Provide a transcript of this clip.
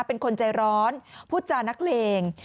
เป็นคนใจร้อนพูดจานักเลง